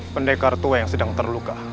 pendekar tua yang sedang terluka